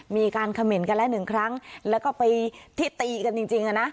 มีการเขม่นกันแล้วหนึ่งครั้งแล้วก็ไปที่ตีกันจริงอ่ะนะ